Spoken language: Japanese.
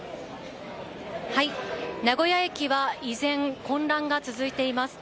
名古屋駅は依然、混乱が続いています。